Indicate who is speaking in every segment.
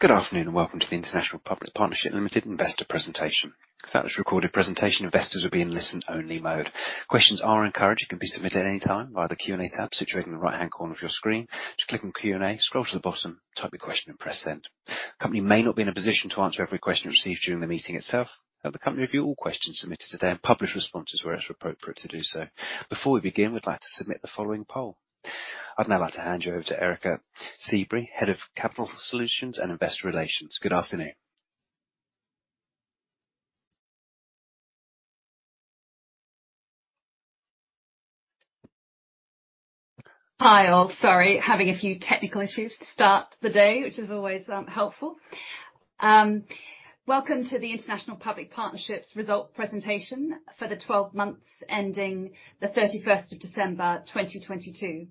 Speaker 1: Good afternoon. Welcome to the International Public Partnerships Limited Investor Presentation. Because that was a recorded presentation, investors will be in listen-only mode. Questions are encouraged and can be submitted any time via the Q&A tab situated in the right-hand corner of your screen. Just click on Q&A, scroll to the bottom, type your question, and press Send.
Speaker 2: The company may not be in a position to answer every question received during the meeting itself. The company review all questions submitted today and publish responses where it is appropriate to do so. Before we begin, we would like to submit the following poll. I would now like to hand you over to Erica Sibree, Head of Capital Solutions and Investor Relations. Good afternoon.
Speaker 1: Hi, all. Sorry. Having a few technical issues to start the day, which is always helpful. Welcome to the International Public Partnerships Result Presentation for the 12 months ending the 31st of December, 2022.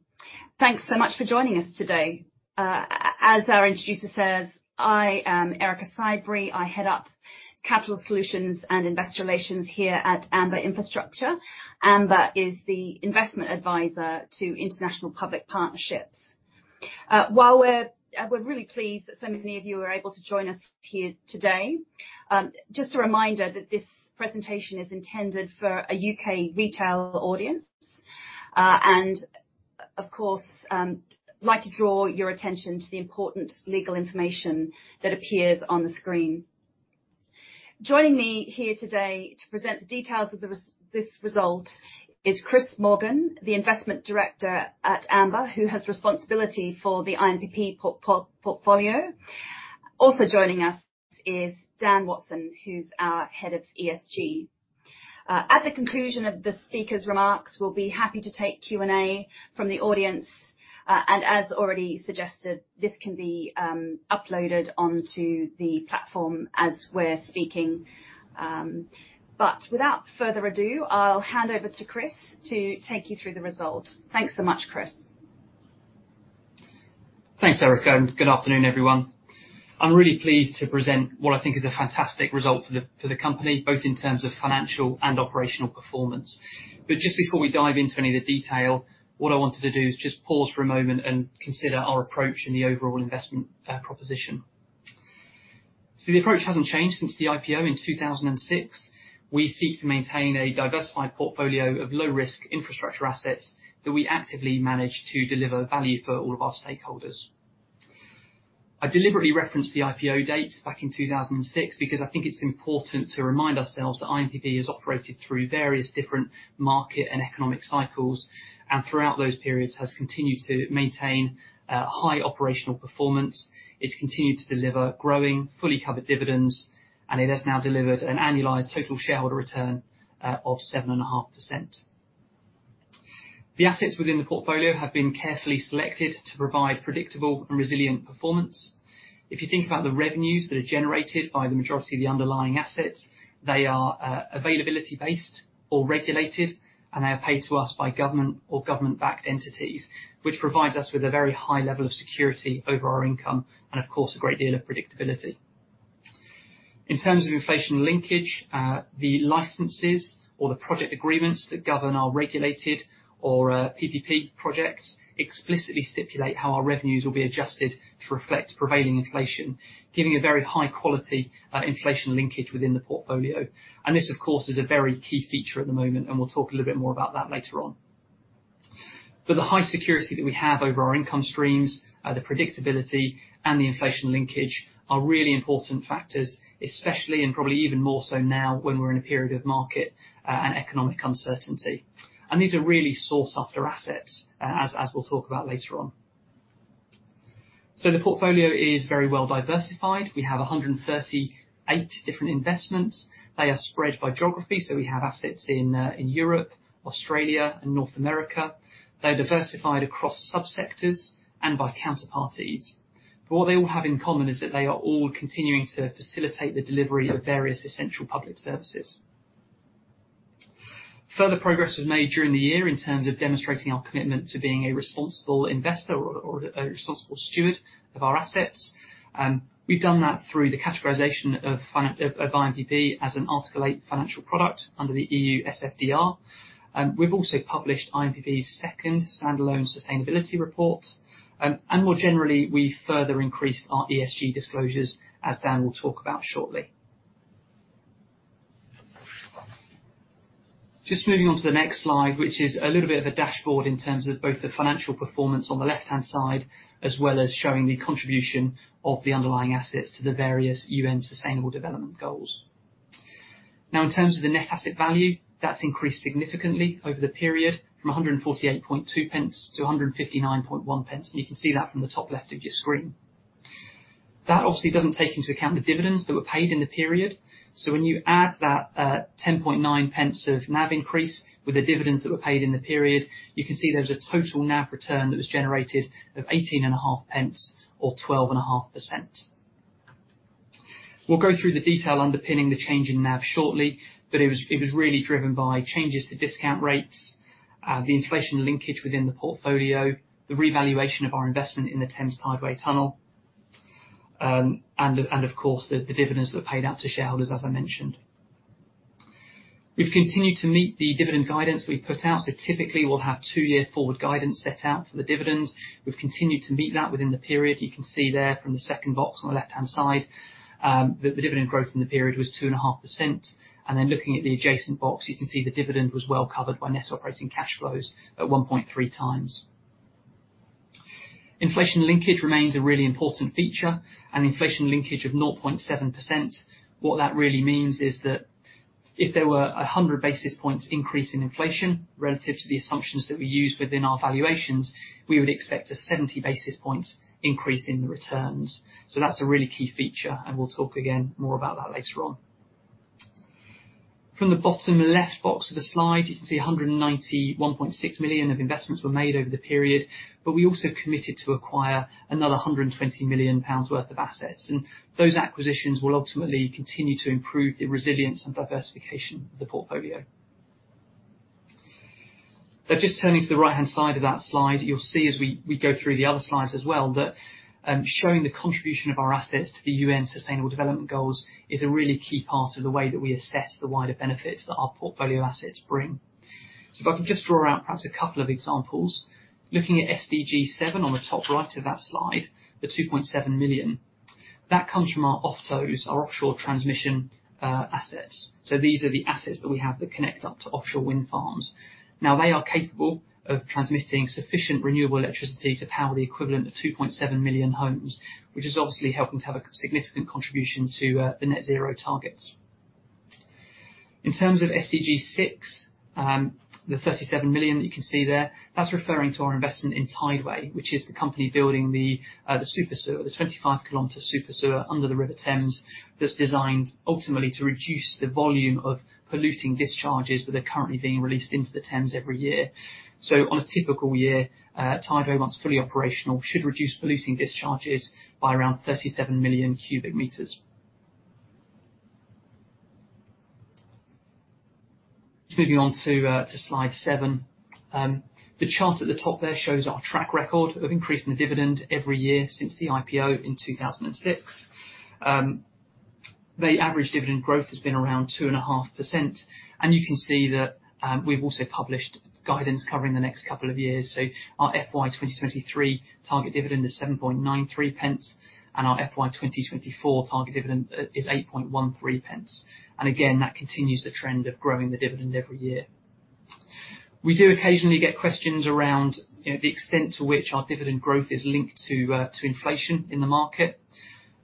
Speaker 1: Thanks so much for joining us today. As our introducer says, I am Erica Sibree. I head up Capital Solutions and Investor Relations here at Amber Infrastructure. Amber is the investment advisor to International Public Partnerships. While we're really pleased that so many of you were able to join us here today. Just a reminder that this presentation is intended for a U.K. retail audience. Of course, like to draw your attention to the important legal information that appears on the screen. Joining me here today to present the details of this result is Chris Morgan, the investment director at Amber, who has responsibility for the INPP portfolio. Also joining us is Dan Watson, who's our head of ESG. At the conclusion of the speakers' remarks, we'll be happy to take Q&A from the audience. As already suggested, this can be uploaded onto the platform as we're speaking. Without further ado, I'll hand over to Chris to take you through the results. Thanks so much, Chris.
Speaker 3: Thanks, Erica, good afternoon, everyone. I'm really pleased to present what I think is a fantastic result for the company, both in terms of financial and operational performance. Just before we dive into any of the detail, what I wanted to do is just pause for a moment and consider our approach in the overall investment proposition. The approach hasn't changed since the IPO in 2006. We seek to maintain a diversified portfolio of low risk infrastructure assets that we actively manage to deliver value for all of our stakeholders. I deliberately referenced the IPO date back in 2006 because I think it's important to remind ourselves that INPP has operated through various different market and economic cycles, and throughout those periods has continued to maintain high operational performance. It's continued to deliver growing, fully covered dividends, and it has now delivered an annualized total shareholder return of 7.5%. The assets within the portfolio have been carefully selected to provide predictable and resilient performance. If you think about the revenues that are generated by the majority of the underlying assets, they are availability-based or regulated, and they are paid to us by government or government-backed entities, which provides us with a very high level of security over our income and of course, a great deal of predictability. In terms of inflation linkage, the licenses or the project agreements that govern our regulated or PDP projects explicitly stipulate how our revenues will be adjusted to reflect prevailing inflation, giving a very high quality inflation linkage within the portfolio. This, of course, is a very key feature at the moment, and we'll talk a little bit more about that later on. The high security that we have over our income streams, the predictability and the inflation linkage are really important factors, especially and probably even more so now when we're in a period of market and economic uncertainty. These are really sought-after assets, as we'll talk about later on. The portfolio is very well diversified. We have 138 different investments. They are spread by geography, so we have assets in Europe, Australia and North America. They're diversified across sub-sectors and by counterparties. What they all have in common is that they are all continuing to facilitate the delivery of various essential public services. Further progress was made during the year in terms of demonstrating our commitment to being a responsible investor or a responsible steward of our assets. We've done that through the categorization of INPP as an Article 8 financial product under the EU SFDR. We've also published INPP's second standalone sustainability report. And more generally, we further increased our ESG disclosures, as Dan will talk about shortly. Just moving on to the next slide, which is a little bit of a dashboard in terms of both the financial performance on the left-hand side, as well as showing the contribution of the underlying assets to the various UN Sustainable Development Goals. In terms of the net asset value, that's increased significantly over the period from 148.2 pence to 159.1 pence, and you can see that from the top left of your screen. That obviously doesn't take into account the dividends that were paid in the period. When you add that, 10.9 pence of NAV increase with the dividends that were paid in the period, you can see there's a total NAV return that was generated of 18.5 pence or 12.5%. We'll go through the detail underpinning the change in NAV shortly, but it was really driven by changes to discount rates, the inflation linkage within the portfolio, the revaluation of our investment in the Thames Tideway Tunnel, and of course, the dividends that were paid out to shareholders, as I mentioned. We've continued to meet the dividend guidance we put out. Typically, we'll have 2-year forward guidance set out for the dividends. We've continued to meet that within the period. You can see there from the second box on the left-hand side, the dividend growth in the period was 2.5%. Looking at the adjacent box, you can see the dividend was well covered by net operating cash flows at 1.3 times. Inflation linkage remains a really important feature. An inflation linkage of 0.7%. What that really means is that if there were 100 basis points increase in inflation relative to the assumptions that we use within our valuations, we would expect a 70 basis points increase in the returns. That's a really key feature, and we'll talk again more about that later on. From the bottom left box of the slide, you can see 191.6 million of investments were made over the period, but we also committed to acquire another 120 million pounds worth of assets. Those acquisitions will ultimately continue to improve the resilience and diversification of the portfolio. Just turning to the right-hand side of that slide, you'll see as we go through the other slides as well that showing the contribution of our assets to the UN Sustainable Development Goals is a really key part of the way that we assess the wider benefits that our portfolio assets bring. If I can just draw out perhaps a couple of examples. Looking at SDG 7 on the top right of that slide, the 2.7 million. That comes from our OFTOs, our offshore transmission assets. These are the assets that we have that connect up to offshore wind farms. They are capable of transmitting sufficient renewable electricity to power the equivalent of 2.7 million homes, which is obviously helping to have a significant contribution to the net zero targets. In terms of SDG 6, the 37 million that you can see there, that's referring to our investment in Tideway, which is the company building the super sewer, the 25 kilometer super sewer under the River Thames that's designed ultimately to reduce the volume of polluting discharges that are currently being released into the Thames every year. On a typical year, Tideway, once fully operational, should reduce polluting discharges by around 37 million cubic meters. Just moving on to slide 7. The chart at the top there shows our track record of increasing the dividend every year since the IPO in 2006. The average dividend growth has been around 2.5%. You can see that we've also published guidance covering the next couple of years. Our FY 2023 target dividend is 7.93 pence, and our FY 2024 target dividend is 8.13 pence. Again, that continues the trend of growing the dividend every year. We do occasionally get questions around, you know, the extent to which our dividend growth is linked to inflation in the market.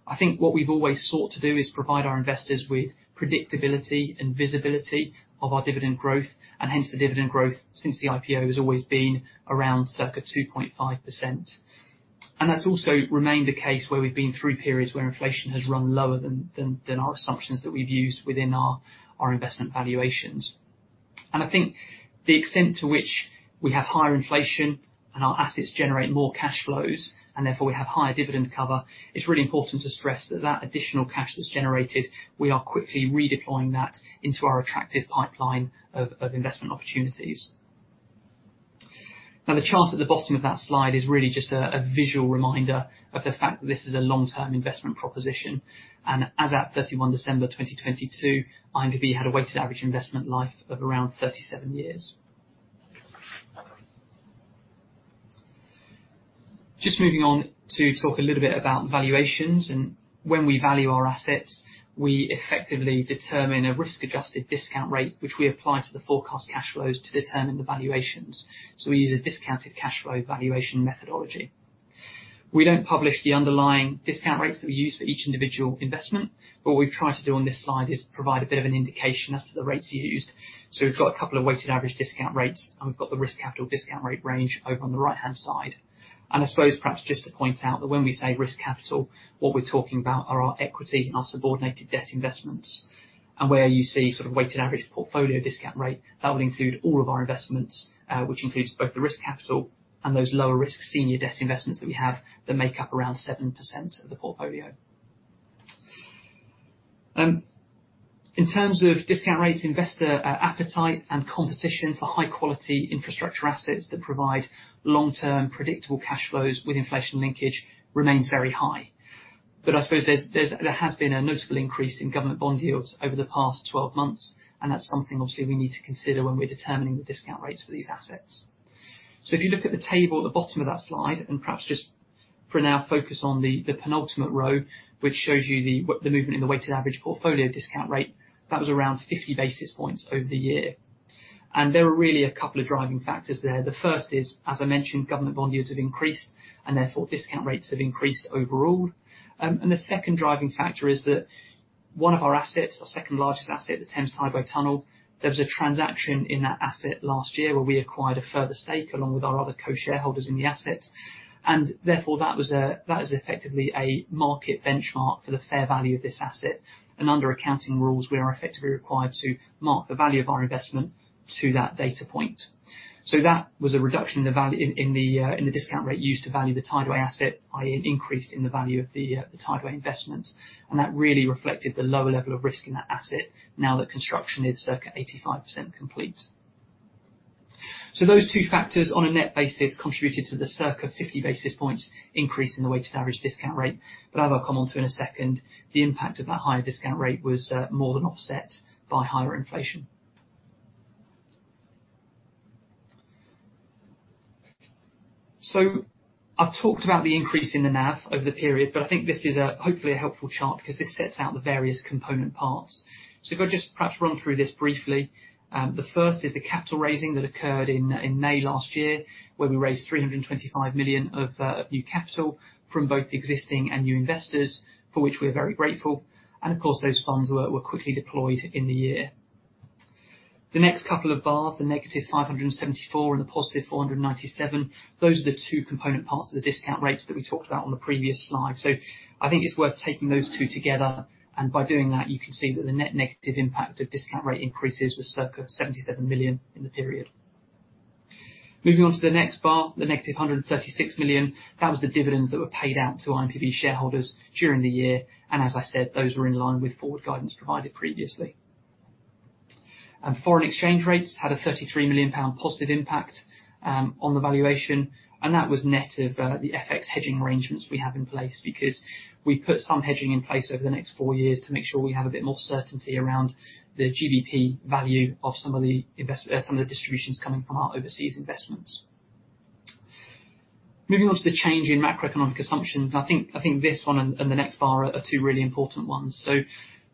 Speaker 3: I think what we've always sought to do is provide our investors with predictability and visibility of our dividend growth, and hence the dividend growth since the IPO has always been around circa 2.5%. That's also remained the case where we've been through periods where inflation has run lower than our assumptions that we've used within our investment valuations. I think the extent to which we have higher inflation and our assets generate more cash flows, and therefore we have higher dividend cover, it's really important to stress that that additional cash that's generated, we are quickly redeploying that into our attractive pipeline of investment opportunities. Now, the chart at the bottom of that slide is really just a visual reminder of the fact that this is a long-term investment proposition. As at 31 December 2022, INPP had a weighted average investment life of around 37 years. Just moving on to talk a little bit about valuations. When we value our assets, we effectively determine a risk-adjusted discount rate, which we apply to the forecast cash flows to determine the valuations. We use a discounted cash flow valuation methodology. We don't publish the underlying discount rates that we use for each individual investment. What we've tried to do on this slide is provide a bit of an indication as to the rates used. We've got a couple of weighted average discount rates, and we've got the risk capital discount rate range over on the right-hand side. I suppose perhaps just to point out that when we say risk capital, what we're talking about are our equity and our subordinated debt investments. Where you see sort of weighted average portfolio discount rate, that would include all of our investments, which includes both the risk capital and those lower risk senior debt investments that we have that make up around 7% of the portfolio. In terms of discount rates, investor appetite and competition for high quality infrastructure assets that provide long-term predictable cash flows with inflation linkage remains very high. I suppose there has been a noticeable increase in government bond yields over the past 12 months, and that's something obviously we need to consider when we're determining the discount rates for these assets. If you look at the table at the bottom of that slide, and perhaps just for now focus on the penultimate row, which shows you the movement in the weighted average portfolio discount rate, that was around 50 basis points over the year. There are really a couple of driving factors there. The first is, as I mentioned, government bond yields have increased, and therefore discount rates have increased overall. The second driving factor is that one of our assets, our second largest asset, the Thames Tideway Tunnel, there was a transaction in that asset last year where we acquired a further stake along with our other co-shareholders in the asset. Therefore that is effectively a market benchmark for the fair value of this asset. Under accounting rules, we are effectively required to mark the value of our investment to that data point. That was a reduction in the discount rate used to value the Tideway asset, i.e. an increase in the value of the Tideway investment. That really reflected the lower level of risk in that asset now that construction is circa 85% complete. Those two factors on a net basis contributed to the circa 50 basis points increase in the weighted average discount rate. As I'll come onto in a second, the impact of that higher discount rate was more than offset by higher inflation. I've talked about the increase in the NAV over the period, but I think this is hopefully a helpful chart 'cause this sets out the various component parts. If I just perhaps run through this briefly. The first is the capital raising that occurred in May last year, where we raised 325 million of new capital from both existing and new investors, for which we are very grateful. Of course, those funds were quickly deployed in the year. The next couple of bars, the negative 574 million and the positive 497 million, those are the two component parts of the discount rates that we talked about on the previous slide. I think it's worth taking those two together, and by doing that, you can see that the net negative impact of discount rate increases was circa 77 million in the period. Moving on to the next bar, the negative 136 million, that was the dividends that were paid out to INPP shareholders during the year, and as I said, those were in line with forward guidance provided previously. Foreign exchange rates had a 33 million pound positive impact on the valuation, and that was net of the FX hedging arrangements we have in place because we put some hedging in place over the next 4 years to make sure we have a bit more certainty around the GDP value of some of the distributions coming from our overseas investments. Moving on to the change in macroeconomic assumptions. I think this one and the next bar are 2 really important ones. The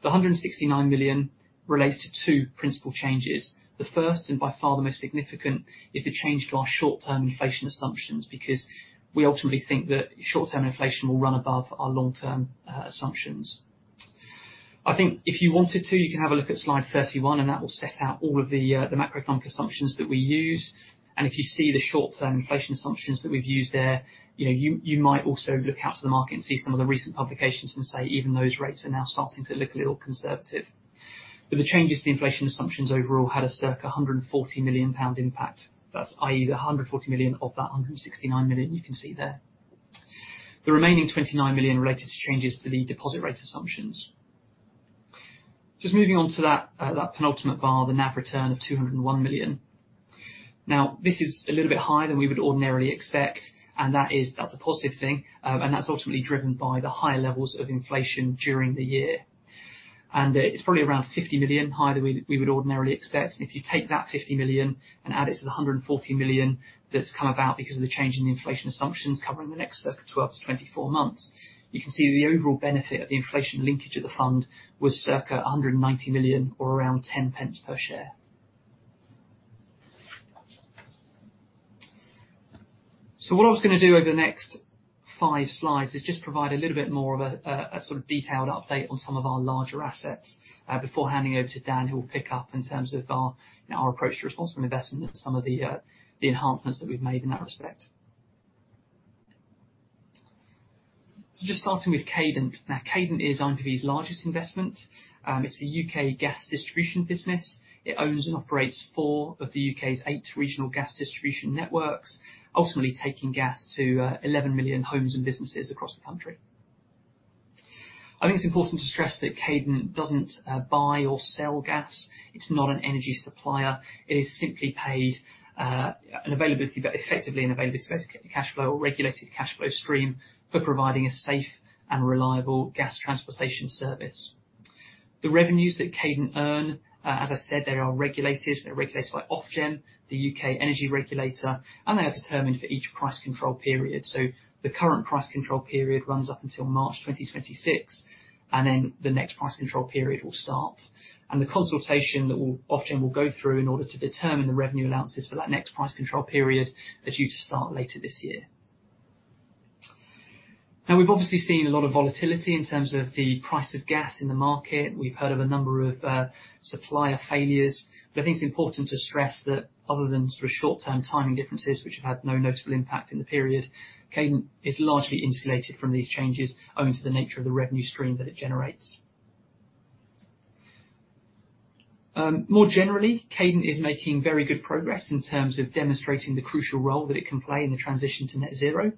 Speaker 3: 169 million relates to 2 principal changes. The first, and by far the most significant, is the change to our short-term inflation assumptions because we ultimately think that short-term inflation will run above our long-term assumptions. I think if you wanted to, you can have a look at slide 31 and that will set out all of the macroeconomic assumptions that we use. If you see the short-term inflation assumptions that we've used there, you know, you might also look out to the market and see some of the recent publications and say even those rates are now starting to look a little conservative. The changes to the inflation assumptions overall had a circa 140 million pound impact. That's i.e. the 140 million of that 169 million you can see there. The remaining 29 million related to changes to the deposit rate assumptions. Just moving on to that penultimate bar, the NAV return of 201 million. This is a little bit higher than we would ordinarily expect, and that's a positive thing, and that's ultimately driven by the higher levels of inflation during the year. It's probably around 50 million higher than we would ordinarily expect. If you take that 50 million and add it to the 140 million that's come about because of the change in inflation assumptions covering the next circa 12-24 months, you can see the overall benefit of the inflation linkage of the fund was circa 190 million or around 10 pence per share. What I was gonna do over the next five slides is just provide a little bit more of a sort of detailed update on some of our larger assets, before handing over to Dan who will pick up in terms of our approach to responsible investment and some of the enhancements that we've made in that respect. Just starting with Cadent. Now, Cadent is INPP's largest investment. It's a U.K. gas distribution business. It owns and operates four of the U.K.'s eight regional gas distribution networks, ultimately taking gas to 11 million homes and businesses across the country. I think it's important to stress that Cadent doesn't buy or sell gas. It's not an energy supplier. It is simply paid, an availability, but effectively an availability to cashflow or regulated cashflow stream for providing a safe and reliable gas transportation service. The revenues that Cadent earn, as I said, they are regulated. They're regulated by Ofgem, the U.K. energy regulator, and they are determined for each price control period. The current price control period runs up until March 2026, and then the next price control period will start. The consultation that Ofgem will go through in order to determine the revenue allowances for that next price control period are due to start later this year. Now we've obviously seen a lot of volatility in terms of the price of gas in the market. We've heard of a number of, supplier failures. I think it's important to stress that other than sort of short-term timing differences which have had no noticeable impact in the period, Cadent is largely insulated from these changes owing to the nature of the revenue stream that it generates. More generally, Cadent is making very good progress in terms of demonstrating the crucial role that it can play in the transition to net zero.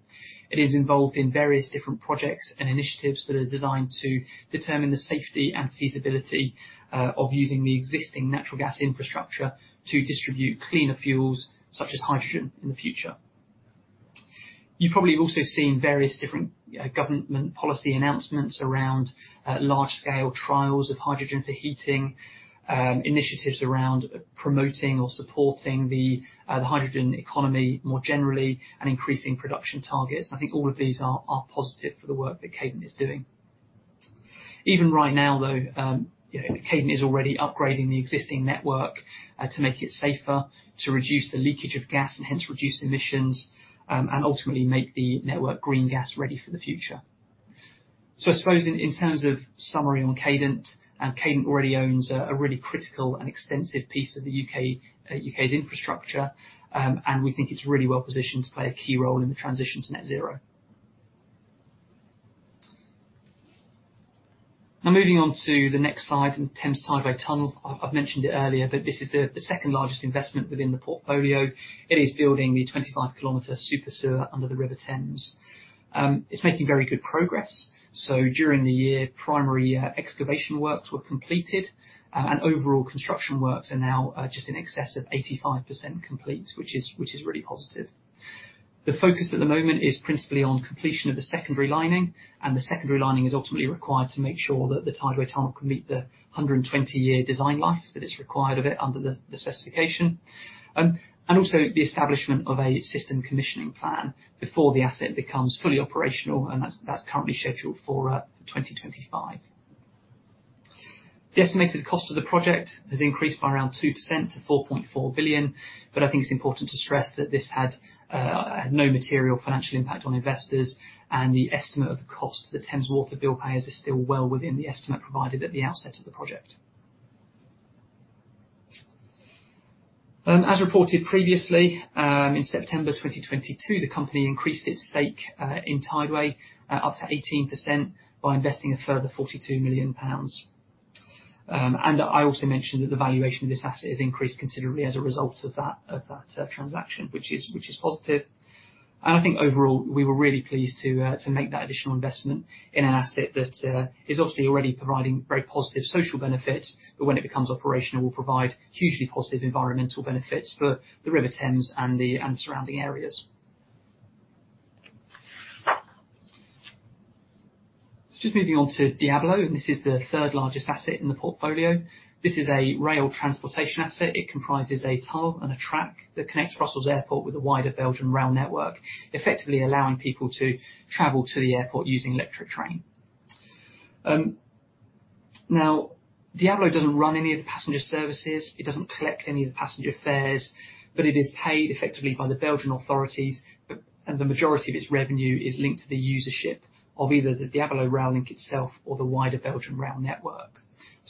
Speaker 3: It is involved in various different projects and initiatives that are designed to determine the safety and feasibility of using the existing natural gas infrastructure to distribute cleaner fuels such as hydrogen in the future. You've probably also seen various different government policy announcements around large scale trials of hydrogen for heating, initiatives around promoting or supporting the hydrogen economy more generally and increasing production targets. I think all of these are positive for the work that Cadent is doing. Even right now though, you know, Cadent is already upgrading the existing network to make it safer, to reduce the leakage of gas and hence reduce emissions, and ultimately make the network green gas ready for the future. I suppose in terms of summary on Cadent already owns a really critical and extensive piece of the UK's infrastructure, and we think it's really well positioned to play a key role in the transition to net zero. Moving on to the next slide in Thames Tideway Tunnel. I've mentioned it earlier, but this is the second largest investment within the portfolio. It is building the 25 kilometer super sewer under the River Thames. It's making very good progress. During the year, primary excavation works were completed, and overall construction works are now just in excess of 85% complete, which is really positive. The focus at the moment is principally on completion of the secondary lining, and the secondary lining is ultimately required to make sure that the Tideway Tunnel can meet the 120-year design life that is required of it under the specification. The establishment of a system commissioning plan before the asset becomes fully operational, and that's currently scheduled for 2025. The estimated cost of the project has increased by around 2% to 4.4 billion. I think it's important to stress that this has no material financial impact on investors. The estimate of the cost to the Thames Water bill payers is still well within the estimate provided at the outset of the project. As reported previously, in September 2022, the company increased its stake in Tideway up to 18% by investing a further 42 million pounds. I also mentioned that the valuation of this asset has increased considerably as a result of that transaction, which is positive. I think overall, we were really pleased to make that additional investment in an asset that is obviously already providing very positive social benefits, but when it becomes operational will provide hugely positive environmental benefits for the River Thames and the surrounding areas. Just moving on to Diabolo, this is the third largest asset in the portfolio. This is a rail transportation asset. It comprises a tunnel and a track that connects Brussels Airport with the wider Belgian rail network, effectively allowing people to travel to the airport using electric train. Now, Diabolo doesn't run any of the passenger services. It doesn't collect any of the passenger fares, but it is paid effectively by the Belgian authorities, and the majority of its revenue is linked to the usership of either the Diabolo rail link itself or the wider Belgian rail network.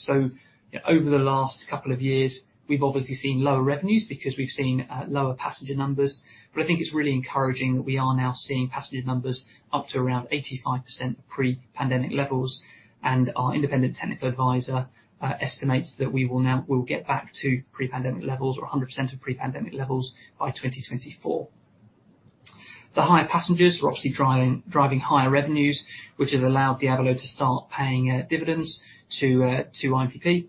Speaker 3: Over the last couple of years, we've obviously seen lower revenues because we've seen lower passenger numbers. I think it's really encouraging that we are now seeing passenger numbers up to around 85% pre-pandemic levels. Our independent technical advisor estimates that we will get back to pre-pandemic levels or 100% of pre-pandemic levels by 2024. The higher passengers are obviously driving higher revenues, which has allowed Diabolo to start paying dividends to INPP,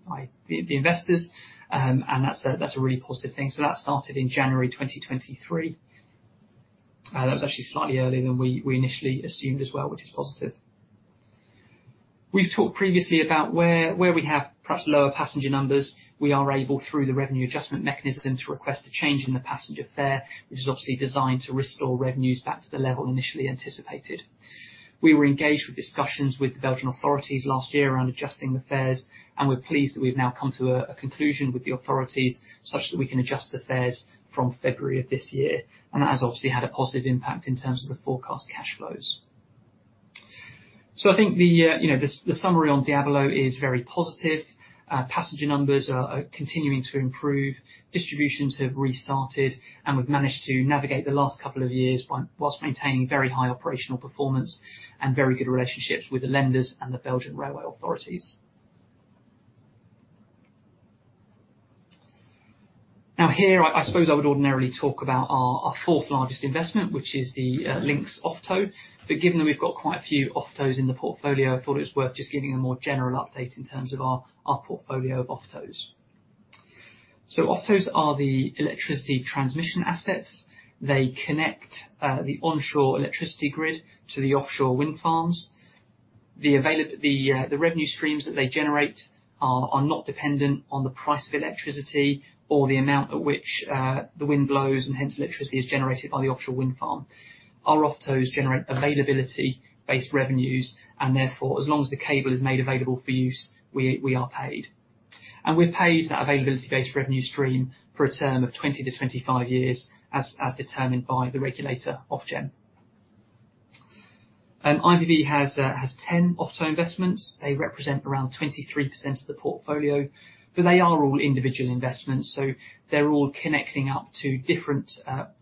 Speaker 3: the investors. That's a really positive thing. That started in January 2023. That was actually slightly earlier than we initially assumed as well, which is positive. We've talked previously about where we have perhaps lower passenger numbers. We are able, through the revenue adjustment mechanism, to request a change in the passenger fare, which is obviously designed to restore revenues back to the level initially anticipated. We were engaged with discussions with the Belgian authorities last year around adjusting the fares. We're pleased that we've now come to a conclusion with the authorities such that we can adjust the fares from February of this year. That has obviously had a positive impact in terms of the forecast cash flows. I think the, you know, the summary on Diabolo is very positive. Passenger numbers are continuing to improve. Distributions have restarted. We've managed to navigate the last couple of years whilst maintaining very high operational performance and very good relationships with the lenders and the Belgian railway authorities. Here, I suppose I would ordinarily talk about our fourth-largest investment, which is the Lincs OFTO. Given that we've got quite a few OFTOs in the portfolio, I thought it was worth just giving a more general update in terms of our portfolio of OFTOs. OFTOs are the electricity transmission assets. They connect the onshore electricity grid to the offshore wind farms. The revenue streams that they generate are not dependent on the price of electricity or the amount at which the wind blows and hence electricity is generated by the offshore wind farm. Our OFTOs generate availability-based revenues, and therefore, as long as the cable is made available for use, we are paid. We're paid that availability-based revenue stream for a term of 20-25 years as determined by the regulator, Ofgem. INPP has 10 OFTO investments. They represent around 23% of the portfolio. They are all individual investments. They're all connecting up to different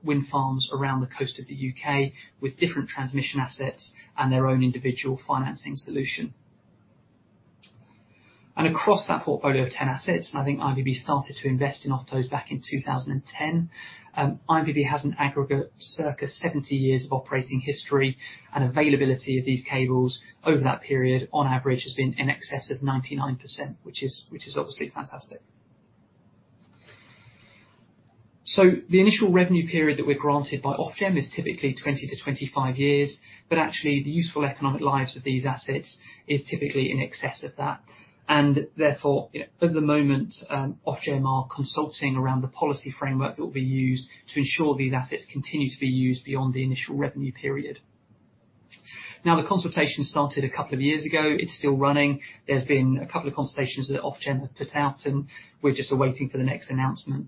Speaker 3: wind farms around the coast of the U.K. with different transmission assets and their own individual financing solution. Across that portfolio of 10 assets, I think INPP started to invest in OFTOs back in 2010, INPP has an aggregate circa 70 years of operating history and availability of these cables over that period on average has been in excess of 99%, which is obviously fantastic. The initial revenue period that we're granted by Ofgem is typically 20-25 years, but actually the useful economic lives of these assets is typically in excess of that. Therefore, you know, at the moment, Ofgem are consulting around the policy framework that will be used to ensure these assets continue to be used beyond the initial revenue period. The consultation started a couple of years ago. It's still running. There's been a couple of consultations that Ofgem have put out, and we're just awaiting for the next announcement.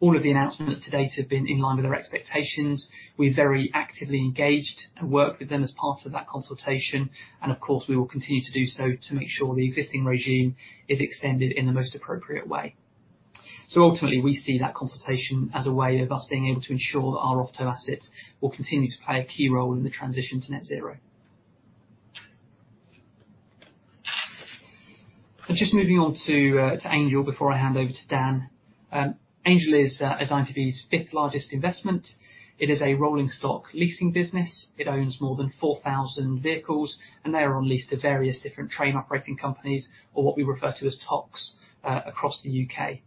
Speaker 3: All of the announcements to date have been in line with our expectations. We very actively engaged and worked with them as part of that consultation, and of course, we will continue to do so to make sure the existing regime is extended in the most appropriate way. Ultimately, we see that consultation as a way of us being able to ensure that our OFTO assets will continue to play a key role in the transition to net zero. Just moving on to Angel before I hand over to Dan. Angel is INPP's fifth-largest investment. It is a rolling stock leasing business. It owns more than 4,000 vehicles, and they are on lease to various different train operating companies or what we refer to as TOCs across the U.K.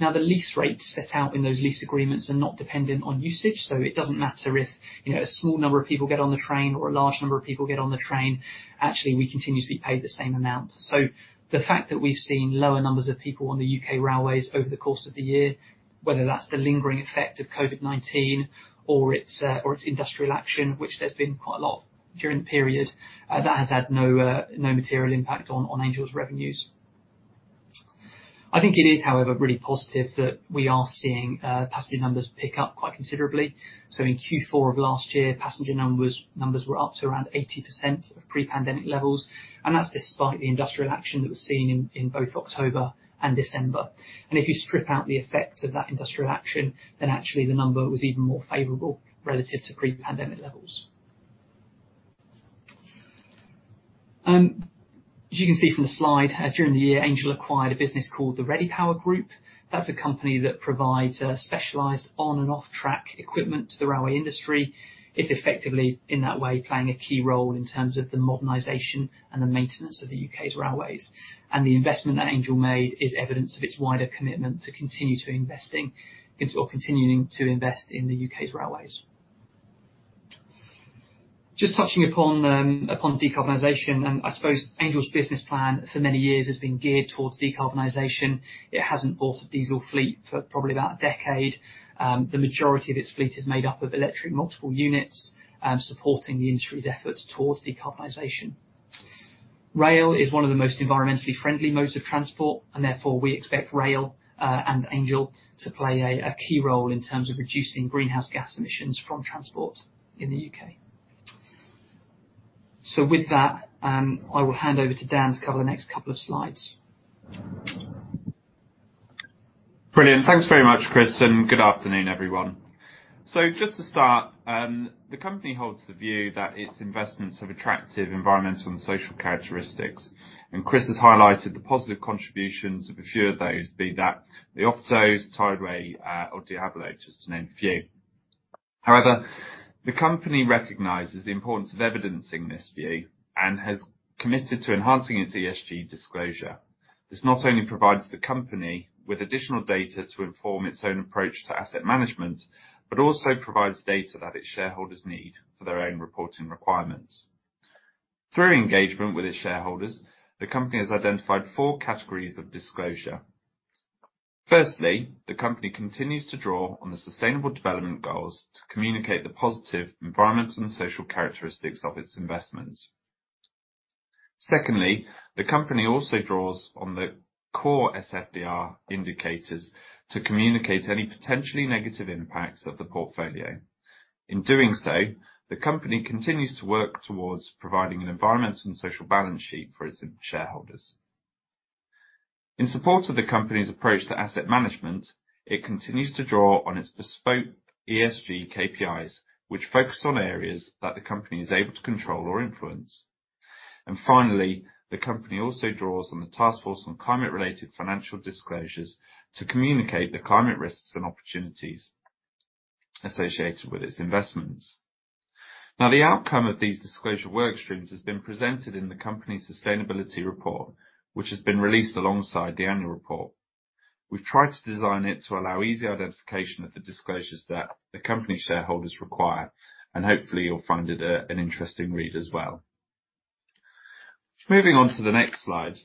Speaker 3: The lease rates set out in those lease agreements are not dependent on usage, so it doesn't matter if, you know, a small number of people get on the train or a large number of people get on the train. Actually, we continue to be paid the same amount. The fact that we've seen lower numbers of people on the UK railways over the course of the year, whether that's the lingering effect of COVID-19 or it's or it's industrial action, which there's been quite a lot during the period, that has had no material impact on Angel's revenues. I think it is, however, really positive that we are seeing passenger numbers pick up quite considerably. In Q4 of last year, passenger numbers were up to around 80% of pre-pandemic levels, and that's despite the industrial action that was seen in both October and December. If you strip out the effect of that industrial action, then actually the number was even more favorable relative to pre-pandemic levels. As you can see from the slide, during the year, Angel acquired a business called the Readypower Group. That's a company that provides specialized on and off-track equipment to the railway industry. It's effectively, in that way, playing a key role in terms of the modernization and the maintenance of the U.K.'s railways. The investment that Angel made is evidence of its wider commitment into continuing to invest in the U.K.'s railways. Just touching upon decarbonization. I suppose Angel's business plan for many years has been geared towards decarbonization. It hasn't bought a diesel fleet for probably about a decade. The majority of its fleet is made up of electric multiple units, supporting the industry's efforts towards decarbonization. Rail is one of the most environmentally friendly modes of transport. Therefore, we expect rail and Angel to play a key role in terms of reducing greenhouse gas emissions from transport in the U.K. With that, I will hand over to Dan to cover the next couple of slides.
Speaker 4: Brilliant. Thanks very much, Chris. Good afternoon, everyone. Just to start, the company holds the view that its investments have attractive environmental and social characteristics, and Chris has highlighted the positive contributions of a few of those, be that the OFTOs, Tideway, or Diabolo, just to name a few. However, the company recognizes the importance of evidencing this view and has committed to enhancing its ESG disclosure. This not only provides the company with additional data to inform its own approach to asset management, but also provides data that its shareholders need for their own reporting requirements. Through engagement with its shareholders, the company has identified four categories of disclosure. Firstly, the company continues to draw on the Sustainable Development Goals to communicate the positive environmental and social characteristics of its investments. Secondly the company also draws on the core SFDR indicators to communicate any potentially negative impacts of the portfolio. In doing so, the company continues to work towards providing an environmental and social balance sheet for its shareholders. In support of the company's approach to asset management, it continues to draw on its bespoke ESG KPIs, which focus on areas that the company is able to control or influence. Finally, the company also draws on the Task Force on Climate-related Financial Disclosures to communicate the climate risks and opportunities associated with its investments. The outcome of these disclosure workstreams has been presented in the company's sustainability report, which has been released alongside the annual report. We've tried to design it to allow easy identification of the disclosures that the company shareholders require, hopefully you'll find it an interesting read as well. Moving on to the next slide.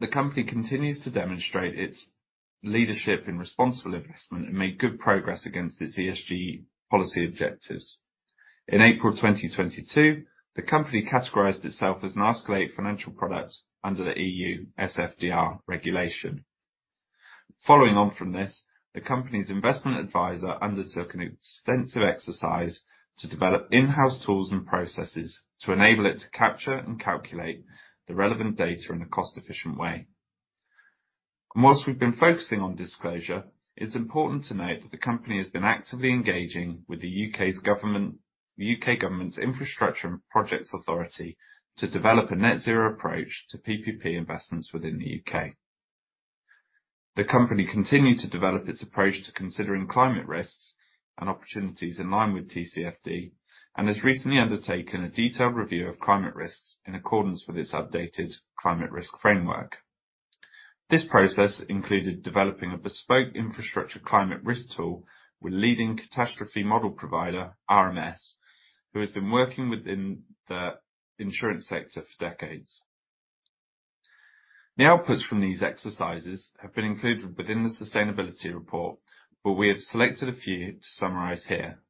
Speaker 4: The company continues to demonstrate its leadership in responsible investment and made good progress against its ESG policy objectives. In April 2022, the company categorized itself as an Article 8 financial product under the EU SFDR regulation. Following on from this, the company's investment advisor undertook an extensive exercise to develop in-house tools and processes to enable it to capture and calculate the relevant data in a cost-efficient way. While we've been focusing on disclosure, it's important to note that the company has been actively engaging with the UK government's Infrastructure and Projects Authority to develop a net zero approach to PPP investments within the UK. The company continued to develop its approach to considering climate risks and opportunities in line with TCFD, and has recently undertaken a detailed review of climate risks in accordance with its updated climate risk framework. This process included developing a bespoke infrastructure climate risk tool with leading catastrophe model provider RMS, who has been working within the insurance sector for decades. The outputs from these exercises have been included within the sustainability report, but we have selected a few to summarize here.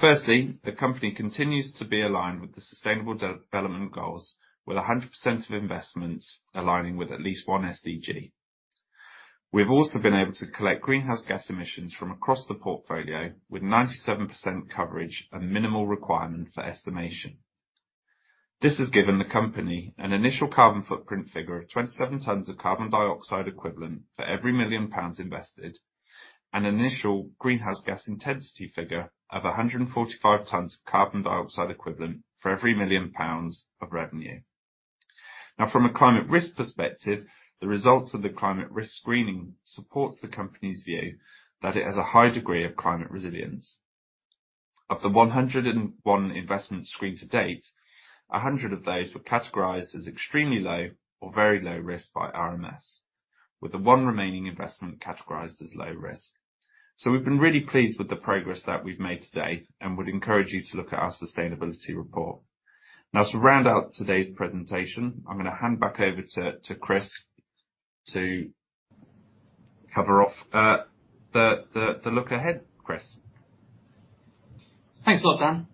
Speaker 4: Firstly, the company continues to be aligned with the Sustainable Development Goals, with 100% of investments aligning with at least one SDG. We have also been able to collect greenhouse gas emissions from across the portfolio with 97% coverage and minimal requirement for estimation. This has given the company an initial carbon footprint figure of 27 tons of carbon dioxide equivalent for every million pounds invested, an initial greenhouse gas intensity figure of 145 tons of carbon dioxide equivalent for every million pounds of revenue. From a climate risk perspective, the results of the climate risk screening supports the company's view that it has a high degree of climate resilience. Of the 101 investments screened to date, 100 of those were categorized as extremely low or very low risk by RMS, with the 1 remaining investment categorized as low risk. We've been really pleased with the progress that we've made today and would encourage you to look at our sustainability report. To round out today's presentation, I'm gonna hand back over to Chris to cover off the look ahead. Chris.
Speaker 3: Thanks a lot, Dan.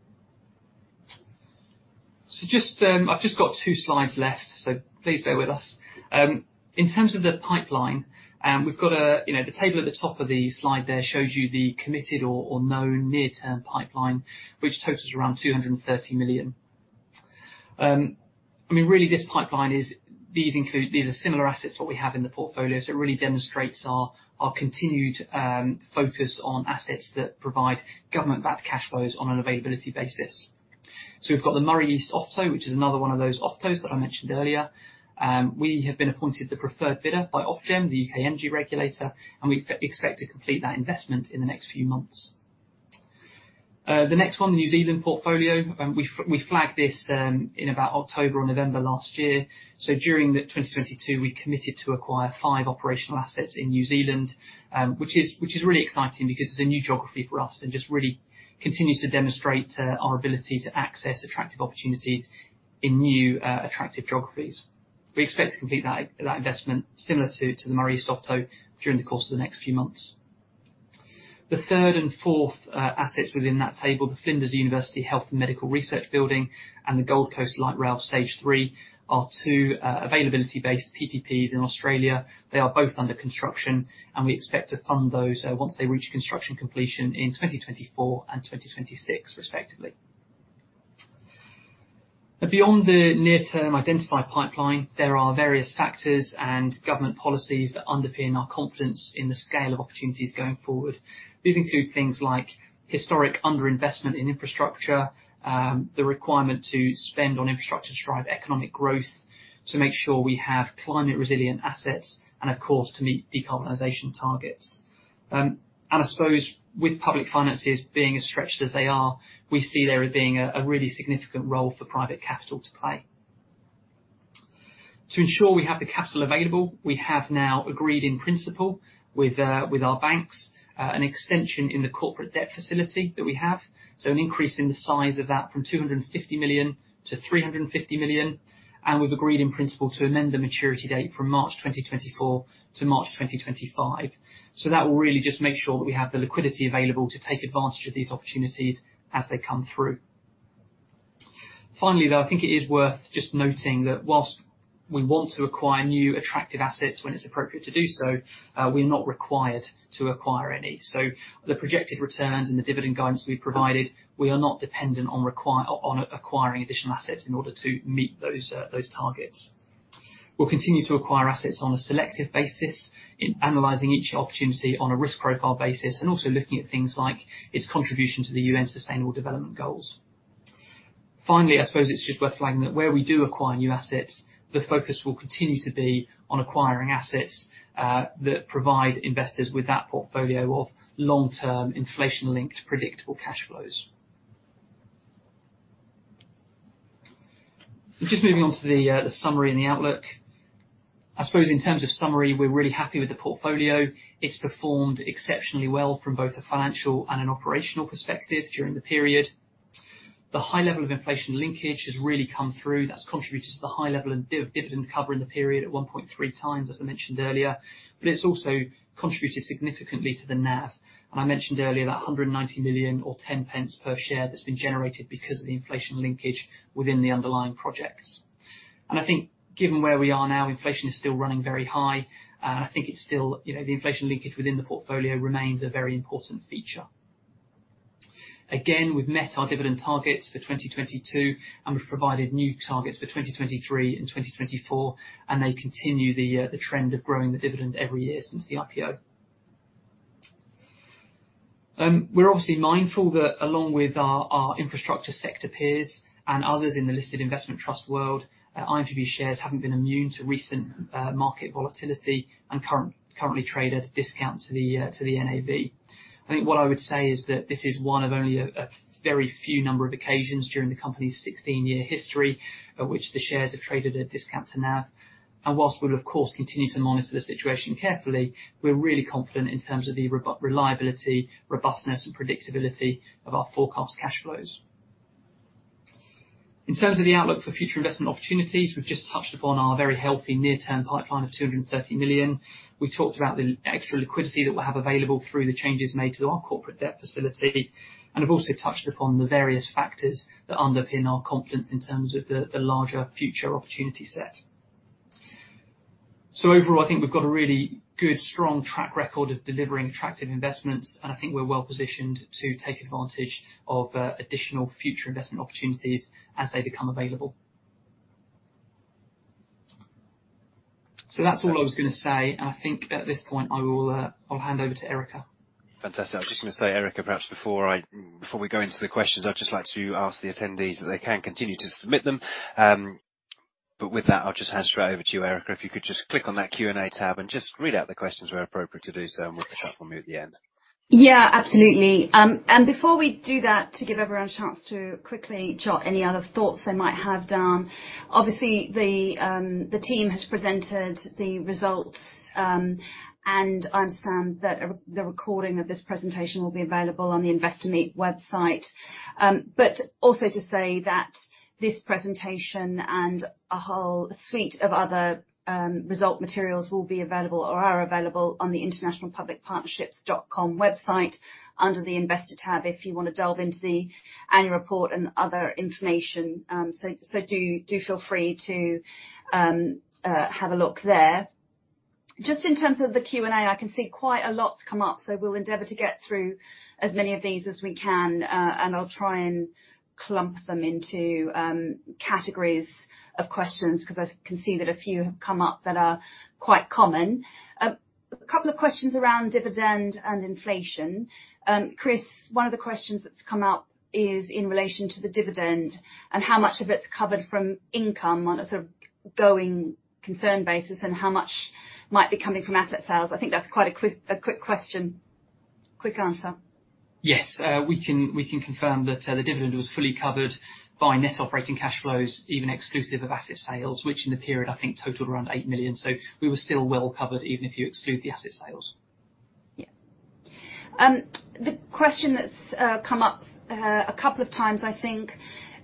Speaker 3: Just I've just got two slides left, so please bear with us. In terms of the pipeline, we've got a, you know, the table at the top of the slide there shows you the committed or known near-term pipeline, which totals around 230 million. I mean, really this pipeline are similar assets, what we have in the portfolio, so it really demonstrates our continued focus on assets that provide government-backed cash flows on an availability basis. We've got the Moray East OFTO, which is another one of those OFTOs that I mentioned earlier. We have been appointed the preferred bidder by Ofgem, the UK energy regulator, and we expect to complete that investment in the next few months. The next one, the New Zealand portfolio, we flagged this in about October or November last year. During 2022, we committed to acquire 5 operational assets in New Zealand, which is really exciting because it's a new geography for us and just really continues to demonstrate our ability to access attractive opportunities in new, attractive geographies. We expect to complete that investment similar to the Moray East OFTO during the course of the next few months. The third and fourth assets within that table, the Flinders University Health and Medical Research Building and the Gold Coast Light Rail Stage 3 are two availability-based PPPs in Australia. They are both under construction. We expect to fund those once they reach construction completion in 2024 and 2026 respectively. Beyond the near-term identified pipeline, there are various factors and government policies that underpin our confidence in the scale of opportunities going forward. These include things like historic underinvestment in infrastructure, the requirement to spend on infrastructure to drive economic growth, to make sure we have climate-resilient assets, and of course, to meet decarbonization targets. I suppose with public finances being as stretched as they are, we see there being a really significant role for private capital to play. To ensure we have the capital available, we have now agreed in principle with our banks, an extension in the corporate debt facility that we have. An increase in the size of that from 250 million to 350 million, and we've agreed in principle to amend the maturity date from March 2024 to March 2025. That will really just make sure that we have the liquidity available to take advantage of these opportunities as they come through. Finally, though, I think it is worth just noting that whilst we want to acquire new attractive assets when it's appropriate to do so, we're not required to acquire any. The projected returns and the dividend guidance we provided, we are not dependent on acquiring additional assets in order to meet those targets. We'll continue to acquire assets on a selective basis in analyzing each opportunity on a risk profile basis and also looking at things like its contribution to the UN Sustainable Development Goals. Finally, I suppose it's just worth flagging that where we do acquire new assets, the focus will continue to be on acquiring assets that provide investors with that portfolio of long-term inflation-linked predictable cash flows. Just moving on to the summary and the outlook. I suppose in terms of summary, we're really happy with the portfolio. It's performed exceptionally well from both a financial and an operational perspective during the period. The high level of inflation linkage has really come through. That's contributed to the high level of dividend cover in the period at 1.3 times, as I mentioned earlier. It's also contributed significantly to the NAV. I mentioned earlier that 190 million or 0.10 per share that's been generated because of the inflation linkage within the underlying projects. I think given where we are now, inflation is still running very high. I think it's still, you know, the inflation linkage within the portfolio remains a very important feature. We've met our dividend targets for 2022. We've provided new targets for 2023 and 2024. They continue the trend of growing the dividend every year since the IPO. We're obviously mindful that along with our infrastructure sector peers and others in the listed investment trust world, INPP shares haven't been immune to recent market volatility and currently trade at a discount to the NAV. I think what I would say is that this is one of only a very few number of occasions during the company's 16-year history at which the shares have traded at a discount to NAV. Whilst we'll of course continue to monitor the situation carefully, we're really confident in terms of the reliability, robustness, and predictability of our forecast cash flows. In terms of the outlook for future investment opportunities, we've just touched upon our very healthy near-term pipeline of 230 million. We talked about the extra liquidity that we'll have available through the changes made to our corporate debt facility and have also touched upon the various factors that underpin our confidence in terms of the larger future opportunity set. Overall, I think we've got a really good strong track record of delivering attractive investments, and I think we're well-positioned to take advantage of additional future investment opportunities as they become available. That's all I was gonna say, and I think at this point, I will, I'll hand over to Erica.
Speaker 4: Fantastic. I was just gonna say, Erica, perhaps before we go into the questions, I'd just like to ask the attendees if they can continue to submit them. With that, I'll just hand straight over to you, Erica. If you could just click on that Q&A tab and just read out the questions where appropriate to do so, and we'll catch up for me at the end.
Speaker 1: Yeah, absolutely. Before we do that, to give everyone a chance to quickly jot any other thoughts they might have down, obviously the team has presented the results, and I understand that the recording of this presentation will be available on the Investor Meet website. Also to say that this presentation and a whole suite of other result materials will be available or are available on the internationalpublicpartnerships.com website under the Investors tab if you wanna delve into the annual report and other information. Do feel free to have a look there. Just in terms of the Q&A, I can see quite a lot come up. We'll endeavor to get through as many of these as we can. I'll try and clump them into categories of questions 'cause I can see that a few have come up that are quite common. A couple of questions around dividend and inflation. Chris, one of the questions that's come up is in relation to the dividend and how much of it's covered from income on a sort of going concern basis. How much might be coming from asset sales? I think that's quite a quick question. Quick answer.
Speaker 3: Yes. We can confirm that the dividend was fully covered by net operating cash flows, even exclusive of asset sales, which in the period, I think totaled around 8 million. We were still well covered, even if you exclude the asset sales.
Speaker 1: Yeah. The question that's come up a couple of times, I think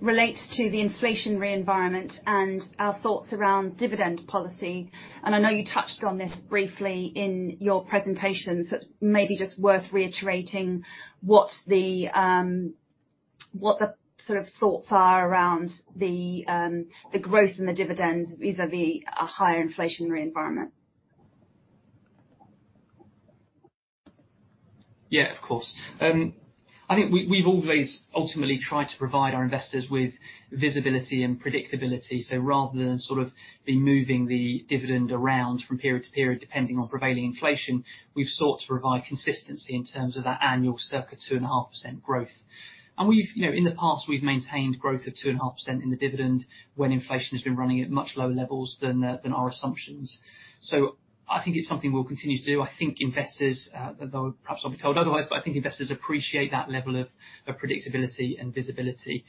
Speaker 1: relates to the inflationary environment and our thoughts around dividend policy. I know you touched on this briefly in your presentation, so it may be just worth reiterating what the what the sort of thoughts are around the the growth in the dividend vis-à-vis a higher inflationary environment.
Speaker 3: Yeah, of course. I think we've always ultimately tried to provide our investors with visibility and predictability. Rather than sort of be moving the dividend around from period to period, depending on prevailing inflation, we've sought to provide consistency in terms of that annual circa 2.5% growth. We've, you know, in the past, we've maintained growth of 2.5% in the dividend when inflation has been running at much lower levels than our assumptions. I think it's something we'll continue to do. I think investors, though perhaps I'll be told otherwise, but I think investors appreciate that level of predictability and visibility.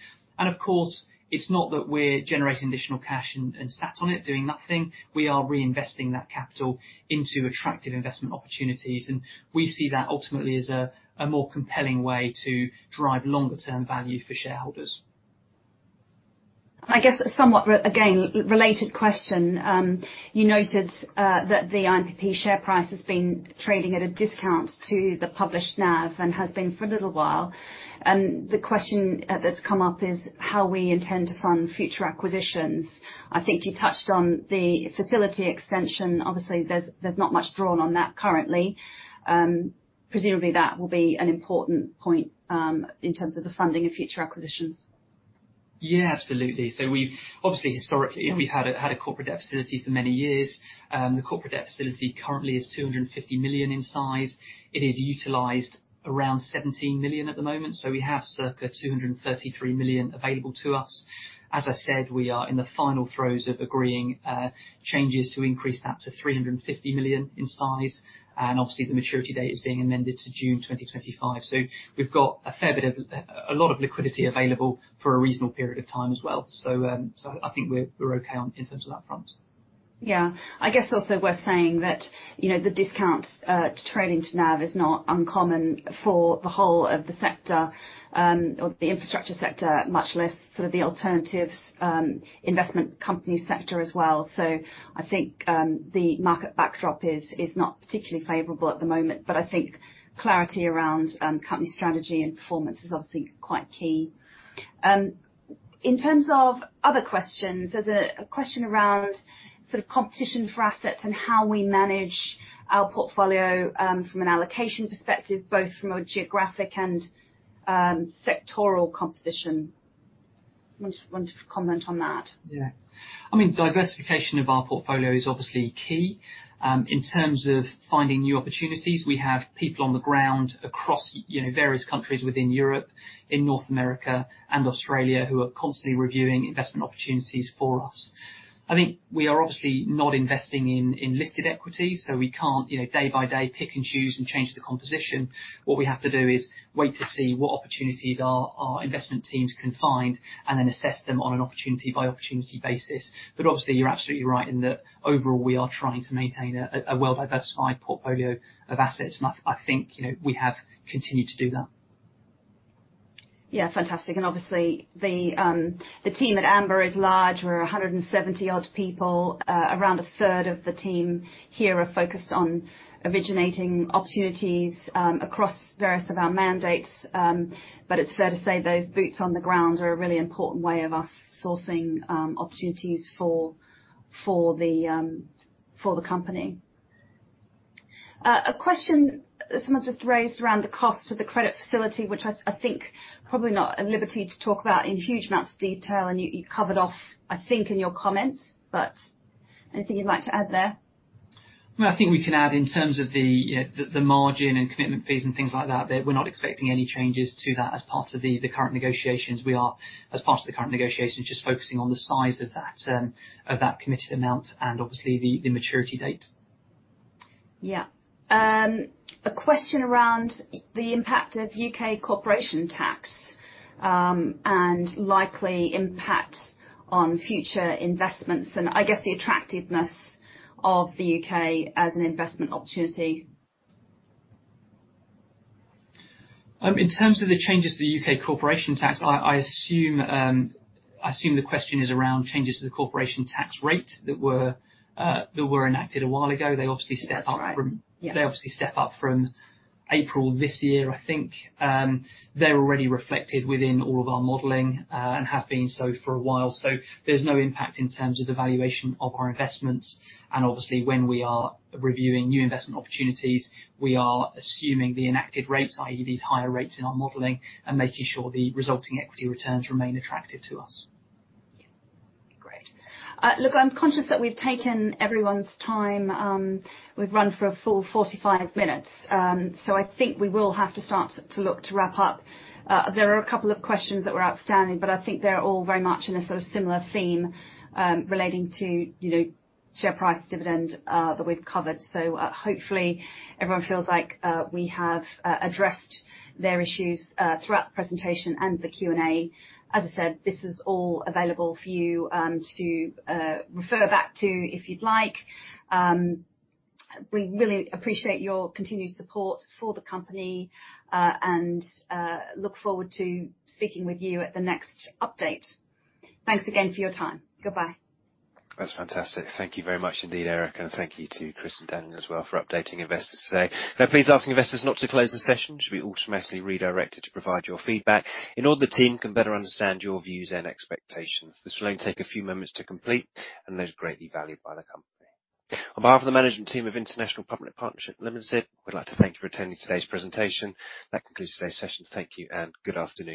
Speaker 3: It's not that we're generating additional cash and sat on it, doing nothing. We are reinvesting that capital into attractive investment opportunities, and we see that ultimately as a more compelling way to drive longer term value for shareholders.
Speaker 1: I guess somewhat again, related question. You noted that the INPP share price has been trading at a discount to the published NAV and has been for a little while. The question that's come up is how we intend to fund future acquisitions. I think you touched on the facility extension. Obviously, there's not much drawn on that currently. Presumably, that will be an important point in terms of the funding of future acquisitions.
Speaker 3: Absolutely. We've obviously, historically, you know, we've had a corporate debt facility for many years. The corporate debt facility currently is 250 million in size. It is utilized around 17 million at the moment, we have circa 233 million available to us. As I said, we are in the final throes of agreeing changes to increase that to 350 million in size, and obviously, the maturity date is being amended to June 2025. We've got a fair bit of a lot of liquidity available for a reasonable period of time as well. I think we're okay on in terms of that front.
Speaker 1: Yeah. I guess also worth saying that, you know, the discount, trading to NAV is not uncommon for the whole of the sector, or the infrastructure sector, much less sort of the alternatives, investment company sector as well. I think, the market backdrop is not particularly favorable at the moment, but I think clarity around company strategy and performance is obviously quite key. In terms of other questions, there's a question around sort of competition for assets and how we manage our portfolio, from an allocation perspective, both from a geographic and sectoral composition. Want to comment on that?
Speaker 3: Yeah. I mean, diversification of our portfolio is obviously key. In terms of finding new opportunities, we have people on the ground across, you know, various countries within Europe, in North America and Australia who are constantly reviewing investment opportunities for us. I think we are obviously not investing in listed equities, so we can't, you know, day by day, pick and choose and change the composition. What we have to do is wait to see what opportunities our investment teams can find, and then assess them on an opportunity by opportunity basis. Obviously, you're absolutely right in that overall, we are trying to maintain a well-diversified portfolio of assets, and I think, you know, we have continued to do that.
Speaker 1: Yeah. Fantastic. Obviously the team at Amber is large. We're 170 odd people. Around a third of the team here are focused on originating opportunities across various of our mandates. It's fair to say those boots on the ground are a really important way of us sourcing opportunities for the company. A question someone just raised around the cost of the credit facility, which I think probably not at liberty to talk about in huge amounts of detail, and you covered off, I think, in your comments. Anything you'd like to add there?
Speaker 3: Well, I think we can add in terms of the, the margin and commitment fees and things like that we're not expecting any changes to that as part of the current negotiations. We are, as part of the current negotiations, just focusing on the size of that, of that committed amount and obviously the maturity date.
Speaker 1: Yeah. A question around the impact of U.K. Corporation Tax, and likely impact on future investments and I guess the attractiveness of the U.K. as an investment opportunity.
Speaker 3: In terms of the changes to the U.K. Corporation Tax, I assume, I assume the question is around changes to the Corporation Tax rate that were enacted a while ago.
Speaker 1: That's right. Yeah.
Speaker 3: step up from. They obviously step up from April this year, I think. They're already reflected within all of our modeling and have been so for a while. There's no impact in terms of the valuation of our investments. Obviously when we are reviewing new investment opportunities, we are assuming the enacted rates, i.e., these higher rates in our modeling and making sure the resulting equity returns remain attractive to us.
Speaker 1: Great. Look, I'm conscious that we've taken everyone's time. We've run for a full 45 minutes. I think we will have to start to look to wrap up. There are a couple of questions that were outstanding, but I think they're all very much in a sort of similar theme, relating to, you know, share price dividend, that we've covered. Hopefully everyone feels like, we have, addressed their issues throughout the presentation and the Q&A. As I said, this is all available for you, to, refer back to if you'd like. We really appreciate your continued support for the company. Look forward to speaking with you at the next update. Thanks again for your time. Goodbye.
Speaker 2: That's fantastic. Thank you very much indeed, Erica, and thank you to Chris and Daniel as well for updating investors today. Can I please ask investors not to close the session? You should be automatically redirected to provide your feedback in order the team can better understand your views and expectations. This will only take a few moments to complete and is greatly valued by the company. On behalf of the management team of International Public Partnerships Limited, we'd like to thank you for attending today's presentation. That concludes today's session. Thank you and good afternoon.